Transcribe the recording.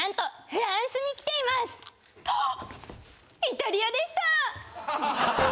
イタリアでした！